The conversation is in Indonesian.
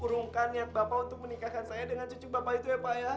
mengurungkan niat bapak untuk menikahkan saya dengan cucu bapak itu ya pak ya